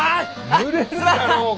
ぬれるじゃろうが！